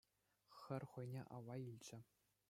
Хӗр хӑйне алла илчӗ.